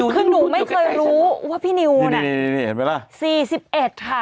คือหนูไม่เคยรู้ว่าพี่นิวเนี้ยเห็นไหมล่ะสี่สิบเอ็ดอ่ะ